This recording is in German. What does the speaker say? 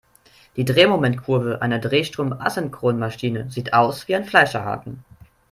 Die Drehmomentkurve einer Drehstrom-Asynchronmaschine sieht aus wie ein Fleischerhaken.